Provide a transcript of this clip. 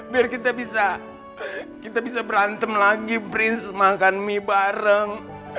biar kita bisa kita bisa berantem lagi prince makan mie bareng